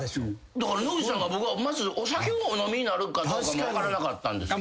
だから野口さんが僕はまずお酒をお飲みになるかどうかも分からなかったんですけど。